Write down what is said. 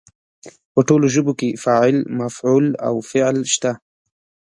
په ټولو ژبو کې فاعل، مفعول او فعل شته.